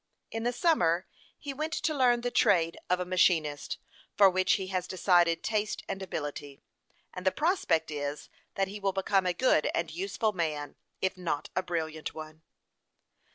In the summer he went to learn the trade of a machinist, for which he has decided taste and ability, and the prospect is, that he will become a good and useful man, if not a brilliant one.